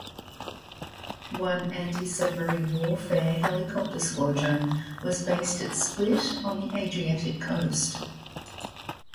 One antisubmarine warfare helicopter squadron was based at Split on the Adriatic coast.